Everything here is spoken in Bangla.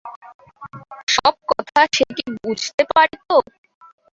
সব কথা সে কি বুঝতে পারিত।